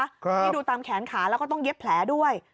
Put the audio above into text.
นี่ดูตามแขนขาแล้วก็ต้องเย็บแผลด้วย